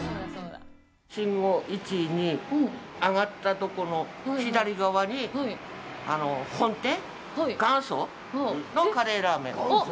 信号１、２、上がったところの左側に本店、元祖のカレーラーメン。